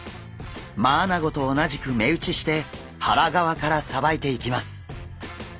マアナゴと同じく目打ちして腹側からさばいていきます。